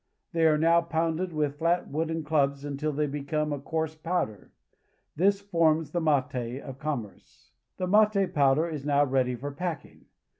They are now pounded with flat wooden clubs until they become a coarse powder. This forms the mate of commerce. The mate powder is now ready for packing.